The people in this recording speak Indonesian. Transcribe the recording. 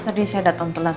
tadi saya datang telat